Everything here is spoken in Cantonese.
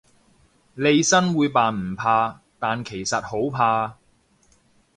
利申會扮唔怕，但其實好怕